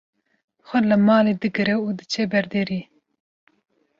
xwe li malê digire û diçe ber derî